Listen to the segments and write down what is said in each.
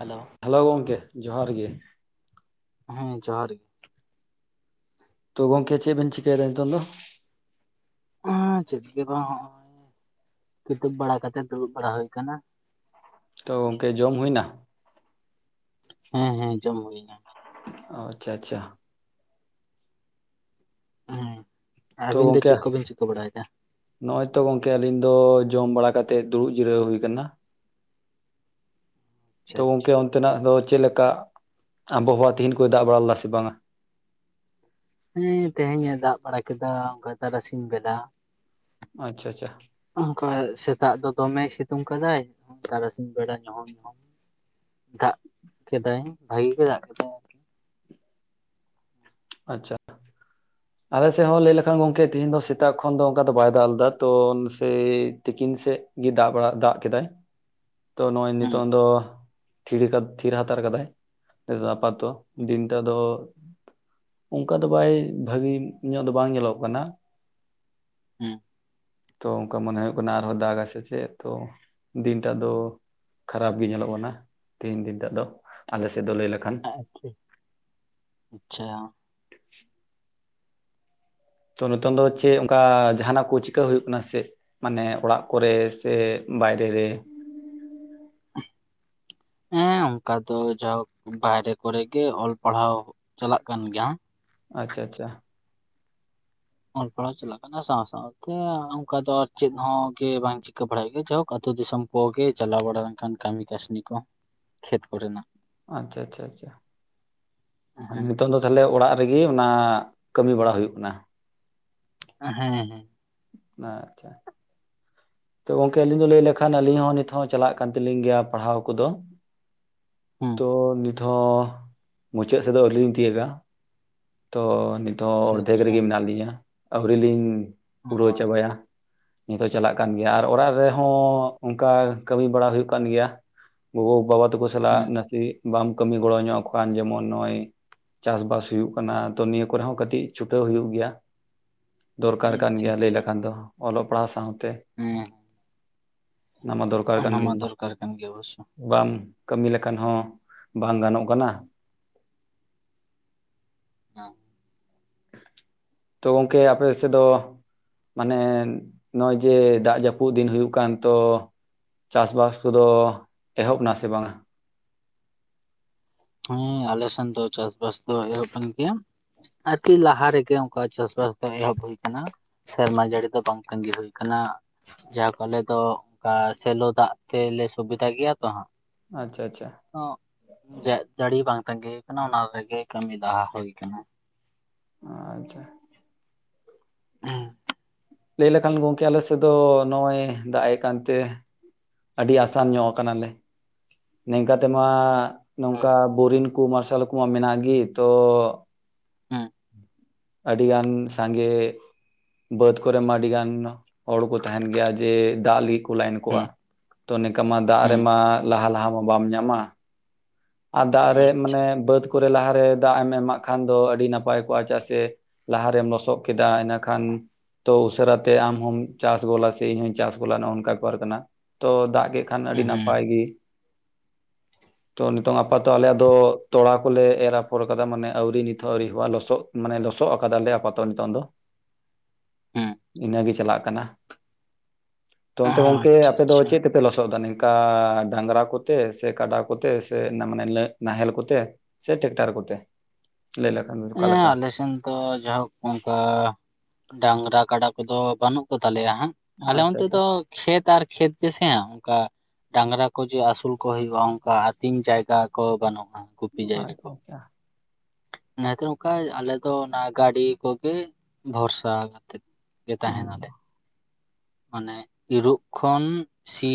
ᱦᱟᱹᱞᱳ ᱾ ᱦᱟᱹᱞᱳ ᱜᱚᱢᱠᱮ ᱡᱚᱦᱟᱨ ᱜᱮ ᱾ ᱦᱮᱸ ᱡᱚᱦᱟᱨ ᱜᱮ ᱾ ᱛᱚ ᱜᱚᱢᱠᱮ ᱪᱮᱫ ᱵᱮᱱ ᱪᱤᱠᱟᱹᱭᱫᱟ ᱱᱤᱛᱚᱝ ᱫᱚ? [unintelligible] ᱪᱮᱫ ᱜᱮ ᱵᱟᱝ ᱦᱚᱜᱼᱚᱭ [inaudible] ᱠᱤᱛᱟᱹᱵ ᱵᱟᱲᱟ ᱠᱟᱛᱮ ᱫᱩᱲᱩᱵ ᱵᱟᱲᱟ ᱦᱩᱭ ᱟᱠᱟᱱᱟ ᱾ ᱛᱚ ᱜᱚᱢᱠᱮ ᱡᱚᱢ ᱦᱩᱭᱮᱱᱟ? ᱦᱮᱸ ᱦᱮᱸ ᱡᱚᱢ ᱦᱩᱭᱱᱟ ᱾ [inaudible] ᱚ ᱟᱪᱪᱷᱟ ᱟᱪᱪᱷᱟ ᱾ ᱦᱮᱸ ᱛᱚ ᱟᱹᱵᱤᱱ ᱫᱚ ᱜᱚᱝᱠᱮ ᱪᱮᱫ ᱠᱚᱵᱤᱱ ᱪᱤᱠᱟᱹ ᱵᱟᱲᱟᱭᱮᱫᱟ? ᱱᱚᱜᱼᱚᱭ ᱛᱚ ᱜᱚᱢᱠᱮ ᱟᱹᱞᱤᱧ ᱫᱚ ᱡᱚᱢ ᱵᱟᱲᱟ ᱠᱟᱛᱮ ᱫᱩᱲᱩᱵ ᱡᱤᱨᱟᱹᱣ ᱦᱩᱭ ᱟᱠᱟᱱᱟ ᱛᱚ ᱜᱚᱢᱠᱮ ᱦᱮᱸ ᱚᱱᱛᱮᱱᱟᱜ ᱫᱚ ᱪᱮᱫ ᱞᱮᱠᱟ [inaudible] ᱟᱵᱚᱣᱟ ᱛᱮᱦᱤᱧ ᱠᱚ ᱫᱟ ᱵᱟᱲᱟ ᱞᱟᱜᱼᱟ ᱥᱮ ᱵᱟᱝᱟ? ᱦᱮᱸ ᱛᱮᱦᱮᱧ ᱮ ᱫᱟᱜ ᱵᱟᱲᱟ ᱠᱮᱫᱟ ᱚᱝᱠᱟ ᱛᱟᱨᱟᱥᱤᱧ ᱵᱮᱰᱟ ᱾ ᱟᱪᱪᱷᱟ ᱟᱪᱪᱷᱟ ᱾ ᱚᱝᱠᱟ ᱥᱮᱛᱟᱜ ᱫᱚ ᱫᱚᱢᱮᱭ ᱥᱤᱛᱩᱝ ᱠᱟᱫᱟᱭ ᱛᱟᱨᱟᱥᱤᱧ ᱵᱮᱲᱟ ᱧᱩᱦᱩᱢ ᱧᱩᱦᱩᱢ ᱫᱟᱜ ᱠᱮᱫᱟᱭ ᱵᱷᱟᱜᱤ ᱜᱮ ᱫᱟᱜ ᱠᱮᱫᱟᱭ ᱾ ᱟᱪᱪᱷᱟ ᱾ ᱟᱞᱮ ᱥᱮᱫ ᱦᱚᱸ ᱞᱟᱹᱭ ᱞᱮᱠᱷᱟᱱ ᱜᱚᱢᱠᱮ ᱛᱮᱦᱮᱧ ᱫᱚ ᱥᱮᱛᱟᱜ ᱠᱷᱚᱱ ᱫᱚ ᱚᱱᱠᱟ ᱫᱚ ᱵᱟᱭ ᱫᱟᱜ ᱞᱮᱫᱟ ᱛᱚ ᱥᱮᱭᱭ ᱛᱤᱠᱤᱱ ᱥᱮᱫ ᱜᱮ ᱫᱟᱜ ᱵᱟᱲᱟ ᱫᱟᱜ ᱠᱮᱫᱟᱭ [inaudible] ᱛᱚ ᱱᱚᱜᱼᱚᱭ ᱦᱮᱸ ᱱᱤᱛᱚᱝ ᱫᱚ [inaudible] ᱛᱷᱤᱨ [unintelligible] ᱛᱷᱤᱨ ᱦᱟᱛᱟᱲ ᱠᱟᱫᱟᱭ [inaudible] ᱟᱯᱟᱛ ᱛᱚ ᱫᱤᱱᱴᱟ ᱫᱚ [inaudible] ᱚᱱᱠᱟ ᱫᱚ ᱵᱟᱭ ᱵᱷᱟᱜᱤ ᱧᱚᱜ ᱫᱚ ᱵᱟᱝ ᱧᱮᱞᱚᱜ ᱠᱟᱱᱟ ᱾ ᱦᱩᱸ ᱛᱚ ᱚᱝᱠᱟ ᱢᱚᱱᱮ ᱦᱩᱭᱩᱜ ᱠᱟᱱᱟ ᱟᱨᱦᱚᱸ ᱫᱟᱜᱟᱭ ᱥᱮ ᱪᱮᱫ ᱛᱚ ᱫᱤᱱᱴᱟ ᱫᱚ ᱠᱷᱟᱨᱟᱯ ᱜᱮ ᱧᱮᱞᱚᱜ ᱠᱟᱱᱟ ᱛᱮᱦᱮᱧ ᱫᱤᱱ ᱴᱟᱹᱜ ᱫᱚ ᱟᱞᱮ ᱥᱮᱫ ᱫᱚ ᱞᱟᱹᱭ ᱞᱮᱠᱷᱟᱱ ᱦᱮᱸ ᱴᱷᱤᱠ ᱟᱪᱪᱷᱟ ᱛᱚ ᱱᱤᱛᱚᱝ ᱫᱚ ᱪᱮᱫ ᱚᱝᱠᱟ ᱡᱟᱦᱟᱱᱟᱜ ᱠᱚ ᱪᱤᱠᱟᱹ ᱦᱩᱭᱩᱜ ᱠᱟᱱᱟ ᱥᱮ ᱪᱮᱫ ᱢᱟᱱᱮ ᱚᱲᱟᱜ ᱠᱚᱨᱮ ᱥᱮ ᱵᱟᱭᱨᱮ ᱨᱮ ᱦᱮᱸ ᱚᱝᱠᱟ ᱫᱚ ᱡᱟᱭᱦᱳᱠ ᱵᱟᱦᱨᱮ ᱠᱚᱨᱮᱜᱮ ᱚᱞ ᱯᱟᱲᱦᱟᱣ ᱪᱟᱞᱟᱜ ᱠᱟᱱ ᱜᱮᱭᱟ ᱟᱪᱪᱷᱟ ᱟᱪᱪᱷᱟ ᱚᱞ ᱯᱟᱲᱦᱟᱣ ᱪᱟᱞᱟᱜ ᱠᱟᱱᱟ ᱥᱟᱶ ᱥᱟᱶᱛᱮ ᱚᱱᱠᱟ ᱫᱚ ᱟᱨ ᱪᱮᱫ ᱦᱚᱸᱜᱮ ᱵᱟᱝ ᱪᱤᱠᱟᱹ ᱵᱟᱲᱟᱭ ᱜᱮᱭᱟ ᱡᱟᱭᱦᱳᱠ ᱟᱹᱛᱳ ᱫᱤᱥᱚᱢ ᱠᱚᱜᱮ ᱪᱟᱞᱟᱣ ᱵᱟᱲᱟ ᱞᱮᱱᱠᱷᱟᱱ ᱠᱟᱹᱢᱤ ᱠᱟᱹᱥᱱᱤ ᱠᱚ ᱠᱷᱮᱛ ᱠᱚᱨᱮᱱᱟᱜ ᱟᱪᱪᱷᱟ ᱟᱪᱪᱷᱟ ᱟᱪᱪᱷᱟ ᱢᱟᱱᱮ ᱦᱮᱸ ᱱᱤᱛᱚᱜ ᱫᱚ ᱛᱟᱦᱚᱞᱮ ᱚᱲᱟᱜ ᱨᱮᱜᱮ ᱚᱱᱟ ᱠᱟᱹᱢᱤ ᱵᱟᱲᱟ ᱦᱩᱭᱩᱜ ᱠᱟᱱᱟ ᱾ ᱦᱮᱸ ᱦᱮᱸ ᱦᱮᱸ ᱟᱪᱪᱷᱟ ᱛᱚ ᱜᱚᱝᱠᱮ ᱟᱹᱞᱤᱧ ᱫᱚ ᱞᱟᱹᱭ ᱞᱮᱠᱷᱟᱱ ᱟᱹᱞᱤᱧ ᱦᱚᱸ ᱱᱤᱛ ᱦᱚᱸ ᱪᱟᱞᱟᱜ ᱠᱟᱱ ᱛᱟᱹᱞᱤᱧ ᱜᱮᱭᱟ ᱯᱟᱲᱦᱟᱣ ᱠᱚᱫᱚ ᱦᱩᱸ ᱛᱚ ᱱᱤᱛ ᱦᱚᱸ ᱢᱩᱪᱟᱹᱫ ᱥᱮᱫ ᱫᱚ ᱟᱹᱣᱨᱤ ᱞᱤᱧ ᱛᱤᱭᱟᱜᱟ ᱛᱚ ᱱᱤᱛ ᱦᱚᱸ ᱟᱪᱪᱷᱟ ᱚᱨᱫᱷᱮᱠ ᱟᱪᱪᱷᱟ ᱨᱮᱜᱮ ᱢᱮᱱᱟᱜ ᱞᱤᱧᱟ ᱟᱹᱣᱨᱤ ᱞᱤᱧ ᱯᱩᱨᱟᱹᱣ ᱪᱟᱵᱟᱭᱟ ᱱᱤᱛᱚᱜ ᱪᱟᱞᱟᱜ ᱠᱟᱱ ᱜᱮᱭᱟ ᱟᱨ ᱚᱲᱟᱜ ᱨᱮᱦᱚᱸ ᱚᱝᱠᱟ ᱠᱟᱹᱢᱤ ᱵᱟᱲᱟ ᱦᱩᱭᱩᱜ ᱠᱟᱱ ᱜᱮᱭᱟ ᱜᱳᱜᱳ ᱵᱟᱵᱟᱼᱼ ᱛᱳ ᱠᱚ ᱥᱟᱞᱟᱜ ᱦᱩᱸ ᱱᱟᱥᱮ ᱵᱟᱢ ᱠᱟᱹᱢᱤ ᱜᱚᱲᱚ ᱧᱚᱜ ᱠᱷᱟᱱ ᱡᱮᱢᱚᱱ ᱱᱚᱜᱼᱚᱭ ᱪᱟᱥ ᱵᱟᱥ ᱦᱩᱭᱩᱜ ᱠᱟᱱᱟ ᱚᱱᱟ ᱛᱚ ᱱᱤᱭᱟᱹ ᱠᱚᱨᱮ ᱦᱚᱸ ᱠᱟᱹᱴᱤᱡ ᱪᱷᱩᱴᱟᱹᱣ ᱦᱩᱭᱩᱜ ᱜᱮᱭᱟ ᱫᱚᱨᱠᱟᱨ ᱦᱩᱸ ᱠᱟᱱ ᱟᱪᱪᱷᱟ ᱜᱮᱭᱟ ᱞᱟᱹᱭ ᱟᱪᱪᱷᱟ ᱞᱮᱠᱷᱟᱱ ᱫᱚ ᱚᱞᱚᱜ ᱯᱟᱲᱦᱟᱣ ᱥᱟᱶᱛᱮ ᱦᱮᱸ ᱚᱱᱟ ᱢᱟ ᱫᱚᱨᱠᱟᱨ ᱠᱟᱱ ᱚᱱᱟ ᱢᱟ ᱜᱮᱭᱟ ᱢᱟᱼᱼ ᱫᱚᱨᱠᱟᱨ ᱠᱟᱱ ᱜᱮᱭᱟ ᱚᱵᱚᱥᱥᱳ ᱵᱟᱢ ᱠᱟᱹᱢᱤ ᱞᱮᱠᱷᱟᱱ ᱦᱚᱸ ᱵᱟᱝ ᱜᱟᱱᱚᱜ ᱠᱟᱱᱟ [inaudible] ᱛᱚ ᱜᱚᱝᱠᱮ ᱟᱯᱮ ᱥᱮᱫ ᱫᱚ ᱢᱟᱱᱮ ᱱᱚᱜᱼᱚᱭ ᱡᱮ ᱫᱟᱜ ᱡᱟᱹᱯᱩᱫ ᱫᱤᱱ ᱦᱩᱭᱩᱜ ᱠᱟᱱ ᱛᱚ ᱪᱟᱥ ᱵᱟᱥ ᱠᱚᱫᱚ ᱮᱦᱚᱵ ᱮᱱᱟ ᱥᱮ ᱵᱟᱝᱟ ᱦᱮᱸ ᱟᱞᱮ ᱥᱮᱱ ᱫᱚ ᱪᱟᱥ ᱵᱟᱥ ᱫᱚ ᱮᱦᱚᱵ ᱟᱠᱟᱱ ᱜᱮᱭᱟ ᱟᱹᱰᱤ ᱞᱟᱦᱟ ᱨᱮᱜᱮ ᱚᱝᱠᱟ ᱪᱟᱥ ᱵᱟᱥ ᱫᱚ ᱮᱦᱚᱵ ᱦᱩᱭ ᱟᱠᱟᱱᱟ ᱥᱮᱨᱢᱟ ᱡᱟᱹᱲᱤ ᱫᱚ ᱵᱟᱝ ᱛᱟᱺᱜᱤ ᱦᱩᱭ ᱟᱠᱟᱱᱟ ᱡᱟᱭᱦᱳᱠ ᱟᱞᱮ ᱫᱚ ᱚᱝᱠᱟ ᱥᱮᱞᱚ ᱫᱟᱜ ᱛᱮᱞᱮ ᱥᱩᱵᱤᱫᱷᱟ ᱜᱮᱭᱟ ᱛᱚ ᱦᱟᱸᱜ ᱟᱪᱪᱷᱟ ᱟᱪᱪᱷᱟ ᱡᱟᱹᱲᱤ ᱵᱟᱝ ᱛᱟᱸᱜᱤ ᱦᱩᱭ ᱟᱠᱟᱱᱟ ᱚᱱᱟ ᱨᱮᱜᱮ ᱠᱟᱹᱢᱤ ᱫᱟᱦᱟ ᱦᱩᱭ ᱠᱟᱱᱟ ᱟᱪᱪᱷᱟ ᱦᱮᱸ ᱞᱟᱹᱭ ᱞᱮᱠᱷᱟᱱ ᱜᱚᱝᱠᱮ ᱟᱞᱮ ᱥᱮᱫ ᱫᱚ ᱱᱚᱜᱼᱚᱭ ᱫᱟᱜ ᱟᱠᱟᱱ ᱛᱮ ᱟᱹᱰᱤ ᱟᱥᱟᱱ ᱧᱚᱜ ᱟᱠᱟᱱᱟᱞᱮ ᱱᱤᱝᱠᱟ ᱛᱮᱢᱟ ᱱᱚᱝᱠᱟ ᱵᱳᱨᱤᱝ ᱠᱩ ᱢᱟᱨᱥᱟᱞ ᱠᱚᱢᱟ ᱢᱮᱱᱟᱜ ᱜᱮ ᱛᱚ ᱦᱮᱸ ᱟᱹᱰᱤ ᱜᱟᱱ ᱥᱟᱸᱜᱮ ᱵᱟᱹᱫᱽ ᱠᱚᱨᱮ ᱢᱟ ᱟᱹᱰᱤ ᱜᱟᱱ ᱦᱚᱲ ᱠᱚ ᱛᱟᱦᱮᱱ ᱜᱮᱭᱟ ᱡᱮ ᱫᱟᱜ ᱞᱟᱹᱜᱤᱫ ᱠᱩ ᱞᱟᱭᱤᱱ ᱠᱚᱜᱼᱟ ᱛᱚ ᱱᱤᱝᱠᱟ ᱢᱟ ᱫᱟᱜ ᱨᱮᱢᱟ ᱞᱟᱦᱟ ᱞᱟᱦᱟ ᱢᱟ ᱵᱟᱢ ᱧᱟᱢᱟ ᱟᱨ ᱫᱟᱜ ᱨᱮ ᱢᱟᱱᱮ ᱵᱟᱹᱫᱽ ᱠᱚᱨᱮ ᱞᱟᱦᱟ ᱨᱮ ᱫᱟᱜ ᱮᱢ ᱮᱢᱟᱜ ᱠᱷᱟᱱ ᱫᱚ ᱟᱹᱰᱤ ᱱᱟᱯᱟᱭ ᱠᱚᱜᱼᱟ ᱪᱮᱫᱟᱜ ᱥᱮ ᱞᱟᱦᱟ ᱨᱮᱢ ᱞᱚᱥᱚᱫ ᱠᱮᱫᱟ ᱤᱱᱟᱹ ᱠᱷᱟᱱ ᱛᱚ ᱩᱥᱟᱹᱨᱟ ᱛᱮ ᱟᱢ ᱦᱚᱢ ᱪᱟᱥ ᱜᱚᱞᱟ ᱥᱮ ᱤᱧ ᱦᱚᱧ ᱪᱟᱥ ᱜᱚᱞᱟ ᱱᱚᱜ ᱱᱚᱝᱠᱟ ᱠᱚᱨ ᱠᱟᱱᱟ ᱛᱚ ᱫᱟᱜ ᱜᱮ ᱠᱷᱟᱱ ᱟᱹᱰᱤ ᱱᱟᱯᱟᱭ ᱜᱮ ᱛᱚ ᱱᱤᱛᱚᱝ ᱟᱯᱟᱛᱚ ᱟᱞᱮᱭᱟᱜ ᱫᱚ ᱛᱚᱲᱟ ᱠᱚᱞᱮ ᱮᱨ ᱟᱯᱷᱚᱨ ᱟᱠᱟᱫᱟ ᱢᱟᱱᱮ ᱟᱹᱣᱨᱤ ᱱᱤᱛ ᱦᱚᱸ ᱟᱹᱣᱨᱤ ᱮᱦᱚᱵᱚᱜᱼᱟ ᱞᱚᱥᱚᱫ ᱢᱟᱱᱮ ᱞᱚᱥᱚᱫ ᱟᱠᱟᱫᱟᱞᱮ ᱟᱯᱟᱛᱚᱛ ᱱᱤᱛᱚᱝ ᱫᱚ ᱤᱱᱟᱹ ᱜᱮ ᱪᱟᱞᱟᱜ ᱠᱟᱱᱟ ᱛᱚ ᱚᱱᱛᱮ ᱜᱚᱝᱠᱮ ᱟᱪᱪᱷᱟ ᱟᱯᱮ ᱫᱚ ᱟᱪᱪᱷᱟ ᱪᱮᱫ ᱛᱮᱯᱮ ᱞᱚᱥᱚᱫ ᱮᱫᱟ ᱱᱚᱝᱠᱟ ᱰᱟᱝᱨᱟ ᱠᱚᱛᱮ ᱥᱮ ᱠᱟᱰᱟ ᱠᱚᱛᱮ ᱥᱮ [unintelligible] ᱢᱟᱱᱮ ᱱᱟᱦᱮᱞ ᱠᱚᱛᱮ ᱥᱮ ᱴᱮᱠᱴᱟᱨ ᱠᱚᱛᱮ ᱞᱟᱹᱭ ᱞᱮᱢ ᱦᱮᱸ ᱟᱞᱮ ᱥᱮᱱ ᱫᱚ ᱡᱟᱭᱦᱳᱠ ᱚᱱᱠᱟ ᱰᱟᱝᱨᱟ ᱠᱟᱰᱟ ᱠᱚᱫᱚ ᱵᱟᱹᱱᱩᱜ ᱠᱚ ᱛᱟᱞᱮᱭᱟ ᱦᱟᱸᱜ ᱟᱞᱮ ᱟᱪᱪᱷᱟ ᱚᱱᱛᱮ ᱟᱪᱪᱷᱟ ᱫᱚ ᱠᱷᱮᱛ ᱟᱨ ᱠᱷᱮᱛ ᱜᱮᱥᱮ ᱚᱱᱠᱟ ᱰᱟᱝᱨᱟ ᱠᱚ ᱡᱮ ᱟᱹᱥᱩᱞ ᱠᱚ ᱦᱩᱭᱩᱜᱼᱟ ᱚᱱᱠᱟ ᱟᱹᱛᱤᱧ ᱡᱟᱭᱜᱟ ᱠᱚ ᱵᱟᱹᱱᱩᱜᱼᱟ ᱜᱩᱯᱤ ᱡᱟᱭᱜᱟ ᱟᱪᱪᱷᱟ ᱠᱚ ᱟᱪᱪᱷᱟ ᱚᱱᱟᱛᱮ ᱱᱚᱝᱠᱟ ᱟᱞᱮ ᱫᱚ ᱚᱱᱟ ᱜᱟᱹᱰᱤ ᱠᱚᱜᱮ ᱵᱷᱚᱨᱥᱟ ᱠᱟᱛᱮᱜ ᱜᱮ ᱦᱩᱸ ᱛᱟᱦᱮᱱᱟᱞᱮ ᱢᱟᱱᱮ ᱤᱨᱚᱜ ᱠᱷᱚᱱ ᱥᱤ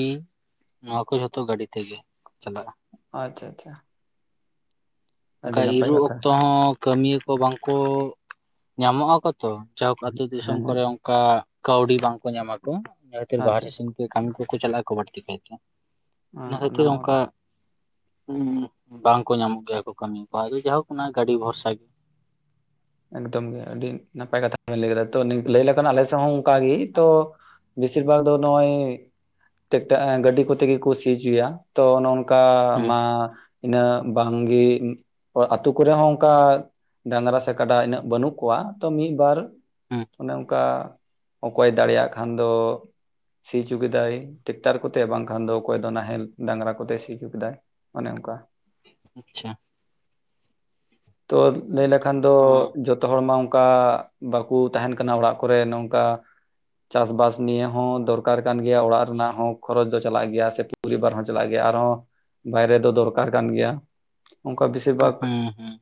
ᱱᱚᱶᱟ ᱠᱚ ᱡᱷᱚᱛᱚ ᱜᱟᱹᱰᱤ ᱛᱮᱜᱮ ᱪᱟᱞᱟᱜᱼᱟ ᱟᱪᱪᱷᱟ ᱟᱪᱪᱷᱟ ᱟᱹᱰᱤ ᱚᱱᱠᱟ ᱱᱟᱯᱟᱭ ᱤᱨᱚᱜ ᱠᱟᱛᱷᱟ ᱚᱠᱛᱚ ᱦᱚᱸ ᱠᱟᱹᱢᱤᱭᱟᱹ ᱠᱚ ᱵᱟᱝᱠᱚ ᱧᱟᱢᱚᱜ ᱟᱠᱚ ᱛᱚ ᱡᱟᱭᱦᱳᱠ ᱦᱮᱸ ᱟᱛᱳ ᱫᱤᱥᱚᱢ ᱦᱮᱸ ᱠᱚᱨᱮ ᱚᱝᱠᱟ ᱠᱟᱹᱣᱰᱤ ᱵᱟᱝᱠᱚ ᱧᱟᱢᱟᱠᱚ ᱚᱱᱟ ᱠᱷᱟᱹᱛᱤᱨ ᱵᱟᱦᱨᱮ ᱟᱪᱪᱷᱟ ᱫᱤᱥᱚᱢ ᱠᱟᱹᱢᱤ ᱠᱚᱠᱚ ᱪᱟᱞᱟᱜ ᱟᱠᱚ ᱵᱟᱹᱲᱛᱤ ᱠᱟᱭᱛᱮ ᱤᱱᱟᱹ ᱚᱱᱟ ᱠᱷᱟᱹᱛᱤᱨ ᱢᱟ ᱚᱝᱠᱟ ᱠᱟᱛᱷᱟ ᱦᱩᱸ ᱵᱟᱝᱠᱚ ᱧᱟᱢᱚᱜ ᱜᱮᱭᱟ ᱠᱚ ᱠᱟᱹᱢᱤᱭᱟ ᱠᱚᱣᱟ ᱟᱫᱚ ᱡᱟᱭᱦᱳᱠ ᱠᱟᱱᱟ ᱜᱟᱹᱰᱤ ᱵᱷᱚᱨᱥᱟ ᱜᱮ ᱮᱠᱫᱚᱢ ᱜᱮ ᱟᱹᱰᱤ ᱱᱟᱯᱟᱭ ᱠᱟᱛᱷᱟ ᱞᱟᱹᱭ ᱠᱮᱫᱟ ᱛᱚ ᱞᱟᱹᱭᱞᱮᱠᱷᱟᱱ ᱟᱞᱮ ᱥᱮᱸ ᱦᱚᱸ ᱚᱱᱠᱟᱜᱮ ᱛᱚ ᱵᱮᱥᱤᱨ ᱵᱷᱟᱜ ᱫᱚ ᱱᱚᱜᱚᱭ ᱜᱟᱹᱰᱤ ᱠᱚᱛᱮ ᱜᱮᱠᱚ ᱥᱤᱪᱩᱭᱟ ᱛᱚ ᱚᱱᱠᱟ ᱦᱮᱸ ᱢᱟ ᱤᱱᱟᱹ ᱵᱟᱝᱜᱤ ᱟᱛᱳ ᱠᱚᱨᱮ ᱦᱚᱸ ᱚᱱᱠᱟ ᱰᱟᱝᱨᱟ ᱥᱮ ᱠᱟᱰᱟ ᱤᱱᱟᱹᱜ ᱵᱟᱹᱱᱩᱜ ᱠᱚᱣᱟ ᱛᱚ ᱢᱤᱫᱵᱟᱨ ᱦᱮᱸ ᱚᱱᱮ ᱚᱱᱠᱟ ᱚᱠᱚᱭ ᱫᱟᱲᱮᱭᱟᱜ ᱠᱷᱟᱱ ᱫᱚ ᱥᱤ ᱚᱪᱚ ᱠᱮᱫᱟᱭ ᱴᱮᱠᱴᱟᱨ ᱠᱚᱛᱮ ᱵᱟᱝᱠᱷᱟᱱ ᱫᱚ ᱚᱠᱚᱭ ᱫᱚ ᱱᱟᱦᱮᱞ ᱰᱟᱝᱨᱟ ᱠᱚᱛᱮ ᱥᱤ ᱚᱪᱩ ᱠᱮᱫᱟᱭ ᱚᱱᱮ ᱚᱱᱠᱟ ᱟᱪᱪᱷᱟ ᱛᱚ ᱞᱟᱹᱭ ᱞᱮᱠᱷᱟᱱ ᱫᱚ ᱡᱚᱛᱚ ᱡᱚᱛᱚ ᱦᱚᱲ ᱢᱟ ᱚᱱᱠᱟ ᱵᱟᱠᱚ ᱛᱟᱦᱮᱱ ᱠᱟᱱᱟ ᱚᱲᱟᱜ ᱠᱚᱨᱮ ᱱᱚᱝᱠᱟ ᱪᱟᱥ ᱵᱟᱥ ᱱᱤᱭᱮ ᱦᱚᱸ ᱫᱚᱨᱠᱟᱨ ᱠᱟᱱ ᱜᱮᱭᱟ ᱚᱲᱟᱜ ᱨᱮᱱᱟᱜ ᱦᱚᱸ ᱠᱷᱚᱨᱚᱪ ᱫᱚ ᱪᱟᱞᱟᱜ ᱜᱮᱭᱟ ᱥᱮ ᱯᱚᱨᱤᱵᱟᱨ ᱦᱚᱸ ᱪᱟᱞᱟᱜ ᱜᱮᱭᱟ ᱟᱨᱦᱚᱸ ᱵᱟᱭᱨᱮ ᱫᱚ ᱫᱚᱨᱠᱟᱨ ᱠᱟᱱ ᱜᱮᱭᱟ ᱚᱱᱠᱟ ᱵᱮᱥᱤᱨ ᱵᱷᱟᱜᱽ ᱦᱮᱸ ᱦᱮᱸ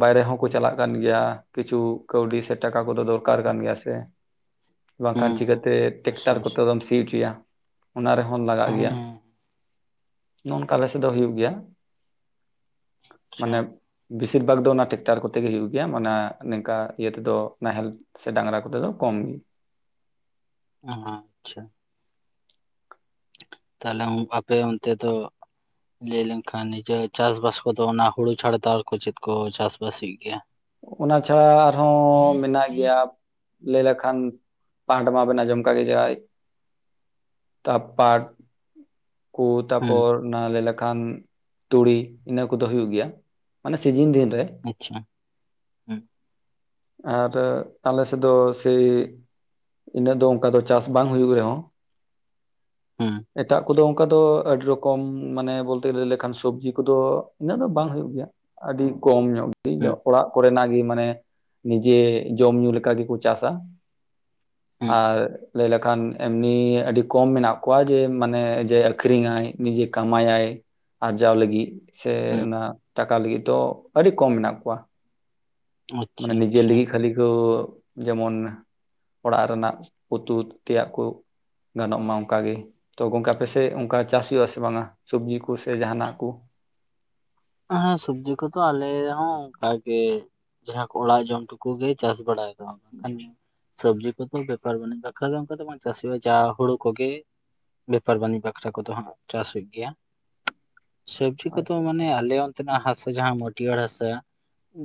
ᱵᱟᱭᱨᱮ ᱦᱚᱸ ᱠᱚ ᱪᱟᱞᱟᱜ ᱠᱟᱱ ᱜᱮᱭᱟ ᱠᱤᱪᱷᱩ ᱠᱟᱹᱣᱰᱤ ᱥᱮ ᱴᱟᱠᱟ ᱠᱚᱫᱚ ᱫᱚᱨᱠᱟᱨ ᱠᱟᱱ ᱜᱮᱭᱟ ᱥᱮ ᱵᱟᱝᱠᱷᱟᱱ ᱦᱮᱸ ᱪᱤᱠᱟᱹᱛᱮ ᱵᱮᱥ ᱴᱮᱠᱴᱟᱨ ᱵᱮᱥ ᱠᱚᱛᱮ ᱫᱚᱢ ᱥᱤ ᱦᱚᱪᱚᱭᱟ ᱚᱱᱟ ᱨᱮᱦᱚᱸ ᱞᱟᱜᱟᱜ ᱦᱮᱸ ᱜᱮᱭᱟ ᱟᱪᱪᱷᱟ ᱱᱚᱼᱝᱠᱟ ᱟᱞᱮᱥᱮ ᱫᱚ ᱦᱩᱭᱩᱜ ᱜᱮᱭᱟ ᱢᱟᱱᱮ ᱵᱮᱥᱤᱨ ᱵᱷᱟᱜᱽ ᱫᱚ ᱚᱱᱟ ᱴᱮᱠᱴᱟᱨ ᱠᱚ ᱛᱮᱜᱮ ᱦᱳᱭᱳᱜ ᱜᱮᱭᱟ ᱢᱟᱱᱮ ᱱᱤᱝᱠᱟ ᱤᱭᱟᱹ ᱛᱮᱫᱚ ᱱᱟᱦᱮᱞ ᱥᱮ ᱰᱟᱝᱨᱟ ᱠᱚᱛᱮ ᱫᱚ ᱠᱚᱢ ᱜᱮ ᱚ ᱟᱪᱪᱷᱟ ᱛᱟᱦᱚᱞᱮ ᱟᱯᱮ ᱚᱱᱛᱮ ᱫᱚ ᱞᱟᱹᱭ ᱞᱮᱱᱠᱷᱟᱱ ᱱᱤᱡᱮ ᱪᱟᱥ ᱵᱟᱥ ᱠᱚᱫᱚ ᱚᱱᱟ ᱦᱩᱲᱩ ᱪᱷᱟᱲᱟ ᱫᱚ ᱟᱨᱠᱚ ᱪᱮᱫ ᱠᱚ ᱪᱟᱥ ᱵᱟᱥᱤᱜ ᱜᱮᱭᱟ ᱚᱱᱟ ᱪᱷᱟᱲᱟ ᱟᱨᱦᱚᱸ ᱢᱮᱱᱟᱜ ᱜᱮᱭᱟ ᱞᱟᱹᱭ ᱞᱮᱠᱷᱟᱱ ᱯᱟᱴ ᱢᱟᱵᱮᱱ ᱟᱸᱡᱚᱢ ᱠᱟᱜᱮᱭᱟ ᱯᱟᱴ ᱠᱩ ᱦᱮᱸ ᱛᱟᱯᱚᱨ ᱚᱱᱟ ᱞᱟᱹᱭ ᱞᱮᱠᱷᱟᱱ ᱛᱩᱲᱤ ᱤᱱᱟᱹ ᱠᱚᱫᱚ ᱦᱩᱭᱩᱜ ᱜᱮᱭᱟ ᱢᱟᱱᱮ ᱥᱤᱡᱤᱱ ᱫᱤᱱ ᱨᱮ ᱟᱪᱪᱷᱟ ᱦᱮᱸ ᱟᱨ ᱟᱞᱮ ᱥᱮᱫ ᱫᱚ ᱥᱮᱭ ᱤᱱᱟᱹᱜ ᱫᱚ ᱚᱱᱠᱟ ᱫᱚ ᱪᱟᱥ ᱵᱟᱝ ᱦᱩᱭᱩᱜ ᱨᱮᱦᱚᱸ ᱦᱮᱸ ᱮᱴᱟᱜ ᱠᱩᱫᱚ ᱚᱱᱠᱟ ᱫᱚ ᱟᱹᱰᱤ ᱨᱚᱠᱚᱢ ᱢᱟᱱᱮ ᱵᱚᱞᱛᱮ ᱞᱟᱹᱭ ᱞᱮᱠᱷᱟᱱ ᱥᱚᱵᱽᱡᱤ ᱠᱚᱫᱚ ᱤᱱᱟᱹᱜ ᱫᱚ ᱵᱟᱝ ᱦᱩᱭᱩᱜ ᱜᱮᱭᱟ ᱟᱹᱰᱤ ᱠᱚᱢ ᱧᱚᱜ ᱜᱮ ᱦᱩᱸ ᱚᱲᱟᱜ ᱠᱚᱨᱮᱱᱟᱜ ᱜᱮ ᱢᱟᱱᱮ ᱱᱤᱡᱮ ᱡᱚᱢ ᱧᱩ ᱞᱮᱠᱟ ᱜᱮᱠᱚ ᱪᱟᱥᱥᱟᱹ ᱦᱩᱸ ᱟᱨ ᱞᱟᱹᱭ ᱞᱮᱠᱷᱟᱱ ᱮᱢᱱᱤ ᱟᱹᱰᱤ ᱠᱚᱢ ᱢᱮᱱᱟᱜ ᱠᱚᱣᱟ ᱡᱮ ᱢᱟᱱᱮ ᱡᱮ ᱟᱹᱷᱨᱤᱧᱟᱭ ᱱᱤᱡᱮ ᱠᱟᱢᱟᱭᱟᱭ ᱟᱨᱡᱟᱣ ᱞᱟᱹᱜᱤᱫ ᱥᱮ ᱦᱩᱸ ᱚᱱᱟ ᱴᱟᱠᱟ ᱞᱟᱹᱜᱤᱫ ᱫᱚ ᱟᱹᱰᱤ ᱠᱚᱢ ᱢᱮᱱᱟᱜ ᱠᱚᱣᱟ ᱟᱪᱪᱷᱟ ᱢᱟᱱᱮ ᱱᱤᱡᱮ ᱟᱪᱪᱷᱟ ᱞᱤᱭᱮ ᱠᱷᱟᱹᱞᱤ ᱠᱚ ᱡᱮᱢᱚᱱ ᱚᱲᱟᱜ ᱨᱮᱱᱟᱜ ᱩᱛᱩ ᱛᱮᱭᱟᱜ ᱠᱚ ᱜᱟᱱᱚᱜ ᱢᱟ ᱚᱱᱠᱟᱟᱜ ᱜᱮ, ᱛᱚ ᱜᱚᱢᱠᱮ ᱟᱯᱮᱥᱮᱫ ᱚᱱᱠᱟ ᱪᱟᱥ ᱦᱩᱭᱩᱜᱼᱟ ᱥᱮ ᱵᱟᱝᱟ ᱥᱚᱵᱽᱡᱤ ᱠᱩ ᱥᱮ ᱡᱟᱦᱟᱱᱟᱜ ᱠᱩ? ᱦᱮᱸ ᱥᱚᱵᱽᱡᱤ ᱠᱚᱫᱚ ᱟᱞᱮᱦᱚᱸ ᱚᱱᱠᱟᱜᱮ ᱡᱟᱦᱟᱸ ᱠᱚ ᱚᱲᱟᱜ ᱡᱚᱢ ᱴᱩᱠᱩ ᱜᱮ ᱪᱟᱥ ᱵᱟᱲᱟᱭ᱾ ᱵᱟᱝᱠᱷᱟᱱ ᱥᱚᱵᱽᱡᱤ ᱠᱚᱫᱚ ᱵᱮᱯᱟᱨ ᱵᱟ. ᱱᱤᱡ ᱵᱟᱠᱷᱨᱟ ᱫᱚ ᱚᱱᱠᱟ ᱫᱚ ᱵᱟᱝ ᱪᱟᱥ ᱦᱩᱭᱩᱜ‌ ᱜᱮᱭᱟ ᱡᱟ ᱦᱩᱲᱩ ᱠᱚ ᱜᱮ᱾ ᱵᱮᱯᱟᱨ ᱵᱟᱹᱱᱤᱡᱽ ᱵᱟᱠᱷᱨᱟ ᱠᱚᱫᱚ ᱦᱟᱸᱜ ᱪᱟᱥ ᱦᱩᱭᱩᱜ ᱜᱮᱭᱟ, ᱥᱚᱵᱽᱡᱤ ᱠᱚᱫᱚ ᱟᱪᱪᱷᱟ ᱟᱪᱪᱷᱟ ᱢᱟᱱᱮ ᱟᱞᱮ ᱚᱱᱛᱮᱱᱟᱜ ᱦᱟᱥᱟ ᱡᱟᱦᱟᱸ ᱢᱟᱹᱴᱤᱭᱟᱹᱲ ᱦᱟᱥᱟ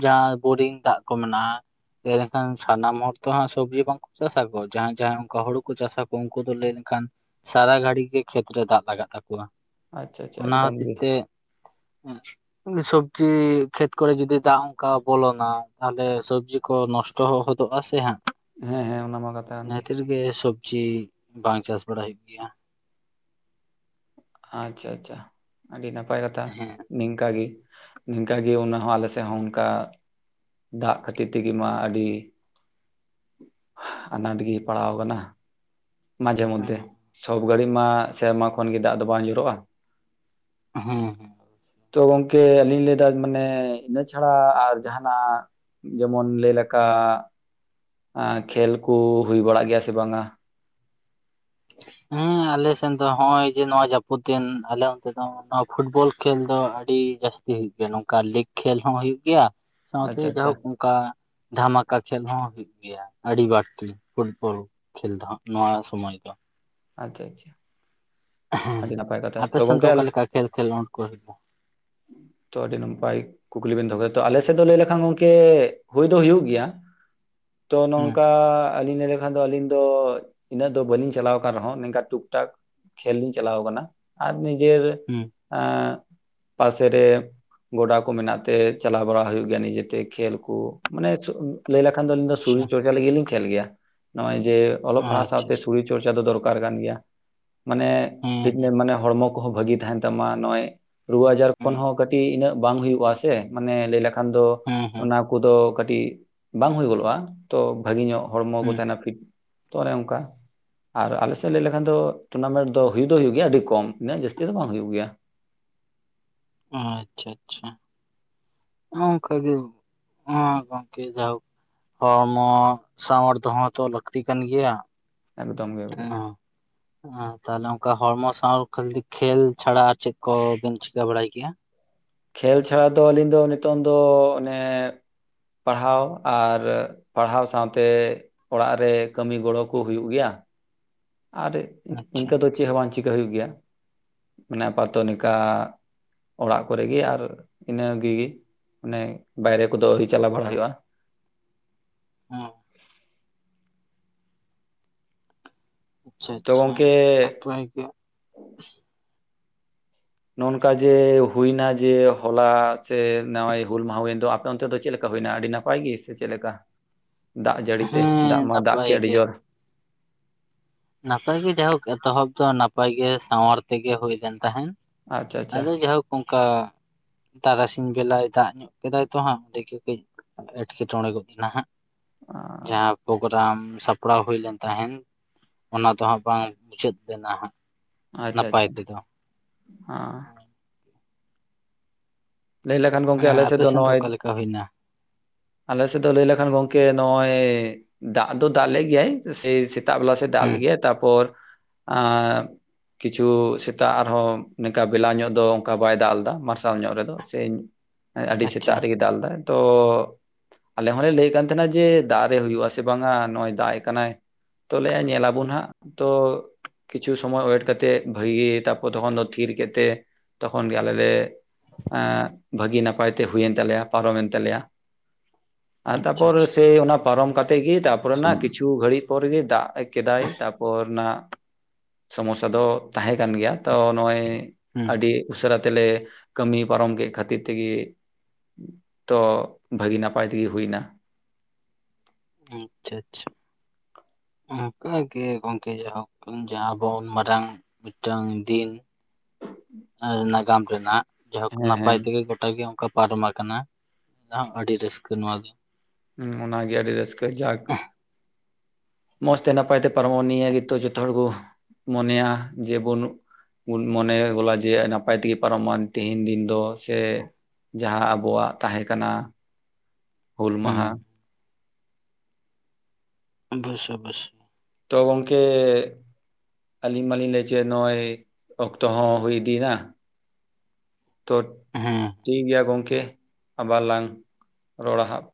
ᱡᱟᱦᱟᱸ ᱵᱳᱨᱤᱝ ᱫᱟᱜ ᱠᱚ ᱢᱮᱱᱟᱜᱼᱟ ᱞᱟᱹᱭ ᱞᱮᱠᱷᱟᱱ ᱥᱟᱱᱟᱢ ᱦᱚᱲ ᱛᱚ ᱦᱟᱸᱜ ᱥᱚᱵᱽᱡᱤ ᱵᱟᱝ ᱠᱚ ᱪᱟᱥᱟᱠᱚ ᱡᱟᱦᱟᱸᱭ ᱡᱟᱦᱟᱸᱭ ᱚᱱᱠᱟ ᱦᱩᱲᱩ ᱠᱚ ᱪᱟᱥᱟᱠᱚ ᱩᱱᱠᱩ ᱫᱚ ᱞᱟᱹᱭ ᱞᱮᱱᱠᱷᱟᱱ ᱥᱟᱨᱟ ᱜᱷᱟᱲᱤ ᱜᱮ ᱠᱷᱮᱛ ᱨᱮ ᱫᱟᱜ ᱞᱟᱜᱟᱜ ᱛᱟᱠᱚᱣᱟ᱾ ᱟᱪᱪᱷᱟ ᱟᱪᱪᱷᱟ ᱮᱠᱫᱚᱢ ᱜᱮ᱾ ᱦᱮᱸ ᱥᱚᱵᱽᱡᱤ ᱠᱷᱮᱛ ᱠᱚᱨᱮ ᱡᱚᱫᱤ ᱫᱟᱜ ᱚᱱᱠᱟ ᱵᱚᱞᱚᱱᱟ ᱛᱟᱦᱚᱞᱮ ᱥᱚᱵᱽᱡᱤ ᱠᱚ ᱱᱚᱥ ᱴᱚ ᱦᱚᱫᱚᱜᱼᱟ ᱥᱮ ᱦᱟᱸᱜ ᱦᱮᱸ ᱦᱮᱸ ᱚᱱᱟ ᱢᱟ ᱠᱟᱛᱷᱟ ᱠᱟᱱ ᱚᱱᱟ ᱠᱷᱟᱹᱛᱤᱨ ᱜᱮ ᱥᱚᱵᱽᱡᱤ ᱵᱟᱝ ᱪᱟᱥ ᱵᱟᱲᱟᱭ ᱦᱩᱭᱩᱜ ᱜᱮᱭᱟ᱾ ᱟᱪᱪᱷᱟ ᱟᱪᱪᱷᱟ ᱟᱹᱰᱤ ᱱᱟᱯᱟᱭ ᱠᱟᱛᱷᱟ᱾ ᱦᱮᱸ ᱱᱤᱝᱠᱟ ᱜᱮ, ᱱᱤᱝᱠᱟ ᱜᱮ ᱚᱱᱟ ᱟᱞᱮᱥᱮᱫ ᱦᱚᱸ ᱚᱱᱠᱟ ᱫᱟᱜ ᱠᱷᱟᱹᱛᱤᱨ ᱛᱮᱜᱮ ᱢᱟ ᱟᱹᱰᱤ ᱟᱱᱟᱴ ᱜᱮ ᱯᱟᱲᱟᱣ ᱠᱟᱱᱟ ᱢᱟᱡᱷᱮ ᱢᱚᱫᱽᱫᱷᱮ ᱦᱮᱸ ᱥᱚᱵ ᱜᱷᱟᱹᱲᱤᱡ ᱢᱟ ᱥᱮᱨᱢᱟ ᱠᱷᱚᱱ ᱜᱮ ᱫᱟᱜ ᱫᱚ ᱵᱟᱝ ᱧᱳᱨᱳᱜᱼᱟ᱾ ᱦᱩᱸ ᱦᱩᱸ ᱛᱚ ᱜᱚᱝᱠᱮ ᱟᱹᱞᱤᱧ ᱞᱟᱹᱭ ᱮᱫᱟ ᱢᱟᱱᱮ ᱤᱱᱟᱹ ᱪᱷᱟᱲᱟ ᱟᱨ ᱡᱟᱦᱟᱸᱱᱟᱜ ᱡᱮᱢᱚᱱ ᱞᱟᱹᱭ ᱞᱮᱠᱟ ᱠᱷᱮᱞ ᱠᱚ ᱦᱩᱭ ᱵᱟᱲᱟᱜ ᱜᱮᱭᱟ ᱥᱮ ᱵᱟᱝᱟ᱾ ᱦᱮᱸ ᱟᱞᱮᱥᱮᱱ ᱫᱚ ᱦᱚᱸᱜ-ᱚᱭ ᱡᱮ ᱱᱚᱣᱟ ᱡᱟᱹᱯᱩᱫ ᱫᱤᱱ ᱟᱞᱮ ᱚᱱᱛᱮ ᱫᱚ ᱱᱚᱣᱟ ᱯᱷᱩᱴᱵᱚᱞ ᱠᱷᱮᱞ ᱫᱚ ᱟᱹᱰᱤ ᱡᱟᱹᱥᱛᱤ ᱦᱩᱭᱩᱜ ᱜᱮᱭᱟ ᱱᱚᱝᱠᱟ ᱞᱤᱠᱽ ᱠᱷᱮᱞ ᱦᱚᱸ ᱦᱩᱭᱩᱜ ᱜᱮᱭᱟ ᱥᱟᱶᱛᱮ ᱟᱪᱪᱷᱟ ᱟᱪᱪᱷᱟ ᱡᱟᱭᱦᱚᱠ ᱚᱱᱠᱟ ᱫᱷᱟᱢᱟᱠᱟ ᱠᱷᱮᱞ ᱦᱚᱸ ᱦᱩᱭᱩᱜ ᱜᱮᱭᱟ᱾ ᱜᱮᱭᱟ ᱟᱹᱰᱤ ᱵᱟᱹᱲᱛᱤ ᱯᱷᱩᱴᱵᱚᱞ ᱠᱷᱮᱞ ᱫᱚ ᱦᱟᱸᱜ ᱱᱚᱣᱟ ᱥᱚᱢᱚᱭ ᱫᱚ᱾ ᱟᱪᱪᱷᱟ ᱟᱪᱪᱷᱟ ᱦᱮᱸ ᱟᱹᱰᱤ ᱱᱟᱯᱟᱭ ᱠᱟᱛᱷᱟ ᱛᱚ ᱟᱯᱮᱥᱮᱱ ᱜᱚᱝᱠᱮ ᱫᱚ ᱚᱠᱟᱞ ᱟᱞᱮ ᱞᱮᱠᱟ ᱠᱷᱮᱞ ᱠᱷᱮᱞᱚᱰ ᱠᱚ ᱦᱩᱭᱩᱜᱼᱟ? [inaudible] ᱛᱚ ᱟᱹᱰᱤ ᱱᱟᱯᱟᱭ ᱠᱩᱠᱞᱤ ᱵᱮᱱ ᱫᱚᱦᱚ ᱠᱮᱫᱟ, ᱟᱞᱮ ᱥᱮᱫ ᱫᱚ ᱞᱟᱹᱭ ᱞᱮᱠᱷᱟᱱ ᱜᱚᱝᱠᱮ ᱦᱩᱭ ᱫᱚ ᱦᱩᱭᱩᱜ ᱜᱮᱭᱟ [inaudible] ᱛᱚ ᱦᱮᱸ ᱱᱚᱝᱠᱟ ᱟᱹᱞᱤᱧ ᱞᱟᱹᱭ ᱞᱮᱠᱷᱟᱱ ᱫᱚ ᱟᱹᱞᱤᱧ ᱫᱚ ᱤᱱᱟᱹᱜ ᱫᱚ ᱵᱟᱹᱞᱤᱧ ᱪᱟᱞᱟᱣ ᱟᱠᱟᱱ ᱨᱮᱦᱚᱸ ᱱᱚᱝᱠᱟ ᱴᱩᱠ ᱴᱟᱠ ᱠᱷᱮᱞ ᱞᱤᱧ ᱠᱷᱮᱞ ᱪᱟᱞᱟᱣ ᱠᱟᱱᱟ ᱟᱨ ᱱᱤᱡᱮᱨ ᱦᱮᱸ ᱟᱸ ᱯᱟᱥᱮᱨᱮ ᱜᱚᱰᱟ ᱠᱚ ᱢᱮᱱᱟᱜ ᱛᱮ ᱪᱟᱞᱟᱣ ᱵᱟᱲᱟ ᱦᱩᱭᱩᱜ ᱜᱮᱭᱟ ᱱᱤᱡᱮᱛᱮ ᱠᱷᱮᱞ ᱠᱩ ᱢᱟᱱᱮ [unintelligible] ᱞᱟᱹᱭ ᱞᱮᱠᱷᱟᱱ ᱫᱚ ᱟᱞᱤᱧ ᱫᱚ ᱟᱪᱪᱷᱟ ᱥᱚᱨᱤᱨ ᱪᱚᱨᱪᱟ ᱞᱟᱹᱜᱤᱫ ᱞᱤᱧ ᱠᱷᱮᱞ ᱜᱮᱭᱟ ᱱᱚᱜ-ᱚᱭ ᱡᱮ ᱚᱞᱚᱜ ᱯᱟᱲᱦᱟᱣ ᱥᱟᱶᱛᱮ ᱟᱪᱪᱷᱟ ᱟᱪᱪᱷᱟ ᱥᱤᱨᱤᱨ ᱪᱚᱨᱪᱟ ᱫᱚ ᱫᱚᱨᱠᱟᱨ ᱠᱟᱱ ᱜᱮᱭᱟ ᱢᱟᱱᱮ ᱦᱮᱸ ᱯᱷᱤᱴ ᱦᱮᱸ ᱢᱟᱱᱮ ᱦᱚᱲᱢᱚ ᱠᱚ ᱦᱚᱸ ᱵᱷᱟᱹᱜᱤ ᱛᱟᱦᱮᱱ ᱛᱟᱢ ᱢᱟ ᱱᱚᱜ-ᱚᱭ ᱨᱩᱣᱟᱹ ᱟᱡᱟᱨ ᱠᱷᱚᱱ ᱦᱮᱸ ᱦᱚᱸ ᱠᱟᱹᱴᱤᱡ ᱤᱱᱟᱹᱜ ᱵᱟᱝ ᱦᱩᱭᱩᱜᱼᱟ᱾ ᱥᱮ ᱢᱟᱱᱮ ᱞᱟᱹᱭ ᱞᱮᱠᱷᱟᱱ ᱫᱚ ᱦᱮᱸ ᱦᱮᱸ ᱚᱱᱟ ᱠᱚᱫᱚ ᱠᱟᱹᱴᱤᱡ ᱵᱟᱝ ᱦᱩᱭ ᱜᱚᱫᱚᱜᱼᱟ᱾ ᱛᱚ ᱵᱷᱟᱹᱜᱤ ᱧᱚᱜ ᱦᱚᱲᱢᱚ ᱠᱚ ᱦᱮᱸ ᱛᱟᱦᱮᱱᱟ ᱯᱷᱤᱴ ᱛᱚ ᱚᱱᱮ ᱚᱱᱠᱟ ᱟᱨ ᱟᱞᱮ ᱥᱮᱫ ᱞᱟᱹᱭ ᱞᱮᱠᱷᱟᱱ ᱫᱚ ᱴᱩᱨᱱᱟᱢᱮᱱᱴ ᱫᱚ ᱦᱩᱭ ᱫᱚ ᱦᱩᱭᱩᱜ ᱜᱮᱭᱟ ᱟᱰᱤ ᱠᱚᱢ ᱩᱱᱟᱹᱜ ᱡᱟᱹᱥᱛᱤ ᱫᱚ ᱵᱟᱝ ᱦᱩᱭᱩᱜ ᱜᱮᱭᱟ᱾ ᱚ ᱟᱪᱪᱷᱟ ᱟᱪᱪᱷᱟ᱾ ᱦᱚᱸ ᱚᱱᱠᱟᱜᱮ ᱦᱮᱸ ᱜᱚᱝᱠᱮ ᱡᱟᱭᱦᱳᱠ ᱦᱚᱲᱢᱚ ᱥᱟᱶᱟᱨ ᱫᱚᱦᱚ ᱦᱚᱸᱛᱚ ᱞᱟᱹᱠᱛᱤ ᱠᱟᱱ ᱜᱮᱭᱟ᱾ ᱮᱠᱫᱚᱢ ᱜᱮ ᱮᱠᱫᱚᱢ ᱦᱚᱸ ᱦᱚᱸ ᱛᱟᱦᱚᱞᱮ ᱚᱱᱠᱟ ᱦᱚᱲᱢᱚ [unintelligible] ᱠᱷᱮᱞ ᱪᱷᱟᱲᱟ ᱟᱨ ᱪᱮᱫ ᱠᱚᱵᱤᱱ ᱪᱤᱠᱟᱹ ᱵᱟᱲᱟᱭ ᱜᱮᱭᱟ? ᱠᱷᱮᱞ ᱪᱷᱟᱲᱟ ᱫᱚ ᱟᱹᱞᱤᱧ ᱫᱚ ᱱᱤᱛᱚᱝ ᱫᱚ ᱚᱱᱮ ᱯᱟᱲᱦᱟᱣ ᱟᱨ ᱯᱟᱲᱦᱟᱣ ᱥᱟᱶᱛᱮ ᱚᱲᱟᱜ ᱨᱮ ᱠᱟᱹᱢᱤ ᱜᱚᱲᱚᱠᱩ ᱦᱩᱭᱩᱜ ᱜᱮᱭᱟ ᱟᱨ ᱟᱪᱪᱷᱟ ᱤᱱᱠᱟᱹ ᱫᱚ ᱪᱮᱫ ᱦᱚᱸ ᱵᱟᱝ ᱪᱤᱠᱟᱹ ᱦᱩᱭᱩᱜ ᱜᱮᱭᱟ ᱢᱟᱱᱮ ᱟᱯᱟᱛᱚᱱᱤᱠᱟ ᱚᱲᱟᱜ ᱠᱚᱨᱮᱜᱤ ᱟᱨ ᱤᱱᱟᱹᱜᱤ ᱚᱱᱮ ᱵᱟᱭᱨᱮ ᱠᱚᱫᱚ ᱟᱹᱣᱨᱤ ᱪᱟᱞᱟᱣ ᱵᱟᱲᱟ ᱦᱩᱭᱩᱜᱼᱟ ᱦᱚᱸ ᱟᱪᱪᱷᱟ ᱛᱚ ᱟᱪᱪᱷᱟ ᱜᱚᱝᱠᱮ ᱱᱟᱯᱟᱭ ᱜᱮ ᱱᱚ ᱱᱚᱠᱟ ᱡᱮ ᱦᱩᱭᱱᱟ ᱡᱮ ᱦᱚᱞᱟ ᱡᱮ ᱱᱟᱶᱟᱭ ᱦᱩᱞ ᱢᱟᱦᱟ ᱦᱩᱭᱮᱱ ᱫᱚ ᱚᱱᱛᱮ ᱫᱚ ᱪᱮᱫ ᱞᱮᱠᱟ ᱦᱩᱭᱱᱟ ᱟᱹᱰᱤ ᱱᱟᱯᱟᱭ ᱜᱮ ᱥᱮ ᱪᱮᱫ ᱞᱮᱠᱟ ᱫᱟᱜ ᱡᱟᱹᱲᱤ ᱛᱮ ᱦᱮᱸ ᱫᱟᱜ ᱢᱟ ᱫᱟᱜ ᱱᱟᱯᱟᱭ ᱠᱮᱫ ᱟᱹᱰᱤ ᱜᱮ ᱡᱳᱨ ᱱᱟᱯᱟᱭ ᱜᱮ ᱡᱟᱭᱦᱳᱠ ᱮᱛᱚᱦᱚᱵ ᱫᱚ ᱱᱟᱯᱟᱭ ᱜᱮ ᱥᱟᱶᱟᱨ ᱛᱮᱜᱮ ᱦᱩᱭ ᱞᱮᱱ ᱛᱟᱦᱮᱸᱱ ᱟᱪᱪᱷᱟ ᱟᱪᱪᱷᱟ ᱟᱫᱚ ᱡᱟᱭᱦᱳᱠ ᱚᱱᱠᱟ ᱛᱟᱨᱟᱥᱤᱧ ᱵᱮᱞᱟᱭ ᱫᱟᱜ ᱧᱚᱜ ᱠᱮᱫᱟᱭ ᱛᱚ ᱦᱟᱸᱜ ᱚᱸᱰᱮ ᱜᱮ ᱠᱟᱹᱡ ᱮᱸᱴᱠᱮᱴᱚᱬᱮ ᱜᱚᱫ ᱮᱱᱟ ᱦᱟᱸᱜ ᱡᱟᱦᱟᱸ ᱯᱨᱳᱜᱨᱟᱢ ᱥᱟᱯᱲᱟᱣ ᱦᱩᱭ ᱞᱮᱱ ᱛᱟᱦᱮᱱ ᱚᱱᱟ ᱫᱚᱦᱚᱸ ᱵᱟᱝ ᱢᱩᱪᱟᱹᱫ ᱞᱮᱱᱟ ᱦᱟᱸᱜ ᱟᱪᱪᱷᱟ ᱱᱟᱯᱟᱭ ᱟᱪᱪᱷᱟ ᱛᱮᱫᱚ [inaudible] ᱦᱚᱸ ᱦᱮᱸ ᱞᱟᱹᱭ ᱞᱮᱠᱷᱟᱱ ᱜᱚᱢᱠᱮ ᱟᱞᱮ ᱥᱮᱫ ᱟᱯᱮ ᱫᱚ ᱥᱮᱱ ᱱᱚᱜᱼᱚᱭ ᱚᱠᱟ [inaudible] ᱞᱮᱠᱟ ᱦᱩᱭᱱᱟ ᱟᱞᱮ ᱥᱮᱫ ᱫᱚ ᱞᱟᱹᱭ ᱞᱮᱠᱷᱟᱱ ᱜᱚᱝᱠᱮ ᱱᱚᱜᱼᱚᱭ ᱫᱟᱜ ᱫᱚ ᱫᱟᱜ ᱞᱮ ᱜᱮᱭᱟᱭ ᱥᱮ ᱥᱮᱛᱟᱜ ᱵᱮᱞᱟ ᱫᱟᱜ ᱦᱮᱸ ᱞᱮᱜ ᱜᱮᱭᱟᱭ ᱛᱚᱯᱚᱨ ᱟ ᱠᱤᱪᱷᱩ ᱥᱮᱛᱟᱜ ᱟᱨᱦᱚᱸ ᱱᱚᱝᱠᱟ ᱵᱮᱞᱟ ᱧᱚᱜ ᱫᱚ ᱚᱱᱠᱟ ᱵᱟᱭ ᱫᱟᱜ ᱞᱮᱫᱟ ᱢᱟᱨᱥᱟᱞ ᱧᱚᱜ ᱨᱮᱫᱚ ᱥᱤᱸᱧ ᱟᱹᱰᱤ ᱟᱪᱪᱷᱟ ᱥᱮᱛᱟᱜ ᱨᱮᱜᱮ ᱫᱟᱜ ᱞᱮᱫᱟ ᱛᱚ ᱟᱞᱮ ᱦᱚᱸᱞᱮ ᱞᱟᱹᱭᱮᱫ ᱠᱟᱱ ᱛᱟᱦᱮᱱᱟ ᱡᱮ ᱫᱟᱜ ᱨᱮ ᱦᱩᱭᱩᱜ-ᱟ ᱥᱮ ᱵᱟᱝ-ᱟ ᱱᱚᱜᱼᱚᱭ ᱫᱟᱜ ᱮ ᱠᱟᱱᱟᱭ ᱛᱚ ᱞᱟᱹᱭᱟ ᱧᱮᱞ ᱟᱵᱚᱱ ᱦᱟᱸᱜ ᱛᱚ ᱠᱤᱪᱷᱩ ᱥᱚᱢᱚᱭ ᱣᱮᱴ ᱠᱟᱛᱮᱫ ᱵᱷᱟᱹᱜᱤ ᱜᱤ ᱛᱟᱯᱚᱨ ᱛᱚᱠᱷᱚᱱ ᱫᱚ ᱛᱷᱤᱨ ᱠᱮᱫ ᱠᱟᱛᱮ ᱛᱚᱠᱷᱚᱱ ᱜᱮ ᱟᱞᱮ ᱞᱮ ᱵᱷᱟᱹᱜᱤ ᱱᱟᱯᱟᱭ ᱛᱮ ᱦᱩᱭᱮᱱ ᱛᱟᱞᱮᱭᱟ ᱯᱟᱨᱚᱢᱮᱱ ᱛᱟᱞᱮᱭᱟ ᱟᱨ ᱟᱪᱪᱷᱟ ᱛᱟᱯᱚᱨ ᱟᱪᱪᱷᱟ ᱥᱮ ᱚᱱᱟ ᱯᱟᱨᱚᱢ ᱠᱟᱛᱮ ᱜᱮ ᱛᱟᱯᱚᱨᱮ ᱚᱱᱟ ᱦᱩᱸ ᱠᱤᱪᱷᱩ ᱜᱷᱟᱹᱲᱤᱡ ᱯᱚᱨ ᱜᱮ ᱫᱟᱜ ᱠᱮᱫᱟᱭ ᱛᱟᱯᱚᱨ ᱱᱟ ᱥᱚᱢᱚᱥᱥᱟ ᱫᱚ ᱛᱟᱦᱮᱸ ᱠᱟᱱ ᱜᱮᱭᱟ ᱛᱚ ᱱᱚᱜᱼᱚᱭ ᱟᱹᱰᱤ ᱩᱥᱟᱹᱨᱟ ᱛᱮᱞᱮ ᱠᱟᱹᱢᱤ ᱯᱟᱨᱚᱢ ᱠᱮᱫ ᱠᱷᱟᱹᱛᱤᱨ ᱛᱮᱜᱮ ᱛᱚ ᱵᱷᱟᱹᱜᱤ ᱱᱟᱯᱟᱭ ᱛᱮᱜᱮ ᱦᱩᱭᱱᱟ ᱟᱪᱷᱟ ᱟᱪᱷᱟ ᱚᱱᱠᱟᱜᱮ ᱜᱚᱝᱠᱮ ᱡᱟᱭᱦᱳᱠ ᱡᱟᱦᱟᱸ ᱟᱵᱚ ᱢᱟᱨᱟᱝ ᱢᱤᱫᱴᱟᱝ ᱫᱤᱱ ᱱᱟᱜᱟᱢ ᱨᱮᱱᱟᱜ ᱡᱟᱭᱦᱳᱠ ᱦᱮᱸ ᱱᱟᱯᱟᱭ ᱦᱮᱸ ᱛᱮᱜᱮ ᱜᱚᱴᱟᱜ ᱜᱮ ᱚᱱᱠᱟ ᱯᱟᱨᱚᱢ ᱟᱠᱟᱱᱟ ᱦᱚᱸ ᱟᱹᱰᱤ ᱨᱟᱹᱥᱠᱟᱹ ᱱᱚᱣᱟ ᱫᱚ ᱦᱚᱸ ᱚᱱᱟᱜᱮ ᱟᱹᱰᱤ ᱨᱟᱹᱥᱠᱟᱹ ᱡᱟᱠ ᱢᱚᱸᱡᱽ ᱛᱮ ᱱᱟᱯᱟᱭ ᱛᱮ ᱯᱟᱨᱚᱢᱚᱜ ᱱᱤᱭᱟᱹ ᱜᱮᱛᱚ ᱡᱚᱛᱚ ᱦᱚᱲ ᱠᱚ ᱢᱚᱱᱮᱭᱟ ᱡᱮ ᱵᱚᱱ ᱢᱚᱱᱮ ᱜᱚᱞᱟ ᱡᱮ ᱱᱟᱯᱟᱭ ᱛᱮᱜᱮ ᱯᱟᱨᱚᱢ ᱢᱟ ᱛᱮᱦᱮᱧ ᱫᱤᱱ ᱫᱚ ᱥᱮ ᱡᱟᱦᱟᱸ ᱟᱵᱚᱣᱟᱜ ᱛᱟᱦᱮᱸ ᱠᱟᱱᱟ ᱦᱩᱞ ᱦᱮᱸ ᱢᱟᱦᱟ ᱵᱚᱥᱟ ᱵᱚᱥ ᱛᱚ ᱜᱚᱝᱠᱮ ᱟᱹᱞᱤᱧ ᱢᱟᱞᱤᱧ ᱞᱟᱹᱭ ᱦᱚᱪᱚᱭᱮᱫ ᱱᱚᱜ-ᱚᱭ ᱚᱠᱛᱚ ᱦᱚᱸ ᱦᱩᱭ ᱤᱫᱤᱭᱮᱱᱟ ᱛᱚ ᱦᱮᱸ ᱴᱷᱤᱠ ᱜᱮᱭᱟ ᱜᱚᱝᱠᱮ ᱟᱵᱟᱨ ᱞᱟᱝ ᱨᱚᱲᱟ ᱦᱟᱸᱜ